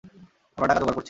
আমার টাকা যোগাড় করছি।